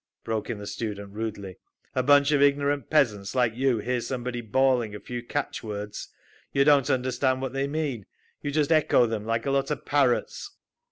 broke in the student rudely. "A bunch of ignorant peasants like you hear somebody bawling a few catch words. You don't understand what they mean. You just echo them like a lot of parrots."